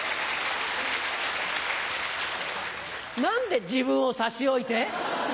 何で自分を差し置いて？